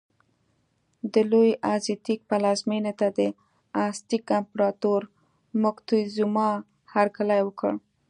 د لوی ازتېک پلازمېنې ته د ازتک امپراتور موکتیزوما هرکلی وکړ.